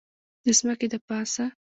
د ځمکې دپاسه